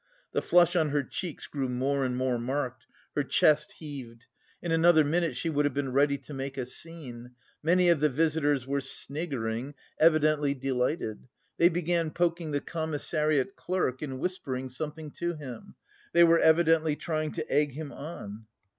The flush on her cheeks grew more and more marked, her chest heaved. In another minute she would have been ready to make a scene. Many of the visitors were sniggering, evidently delighted. They began poking the commissariat clerk and whispering something to him. They were evidently trying to egg him on.